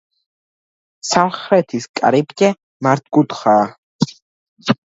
სამხრეთის კარიბჭე მართკუთხაა.